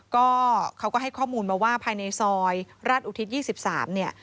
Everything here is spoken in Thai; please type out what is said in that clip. ก็เขาก็ให้ข้อมูลมาว่าภายในซอยราชอุทิศ๒๓เนี่ย